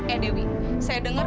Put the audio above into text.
eh dewi saya dengar